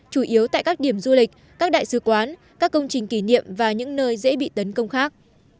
chủ yếu tại các điểm du lịch các đại sứ quán các công trình kỷ niệm và những nơi dễ bị tấn công khác